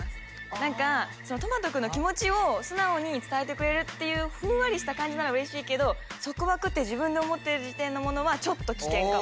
何かとまと君の気持ちを素直に伝えてくれるっていうふんわりした感じならうれしいけど束縛って自分で思ってる時点のものはちょっと危険かも。